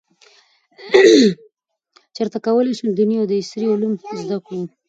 چیرته کولای شو دیني او عصري علوم زده کړو؟